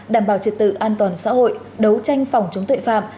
đảm bảo trật tự an toàn xã hội đấu tranh phòng chống tội phạm